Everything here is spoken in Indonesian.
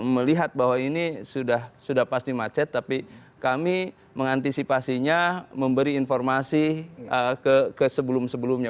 melihat bahwa ini sudah pasti macet tapi kami mengantisipasinya memberi informasi ke sebelum sebelumnya